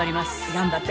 頑張って。